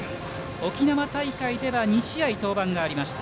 沖縄大会では２試合登板がありました。